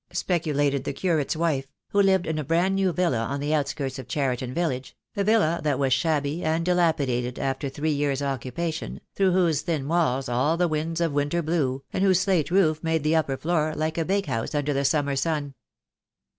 speculated the curate's wife, who lived in a brand new villa on the outskirts of Cheriton village, a villa that was shabby and dilapidated after three years' occupation, through whose thin walls all the winds of winter blew, and whose slate roof made the upper floor like a bakehouse under the summer sun.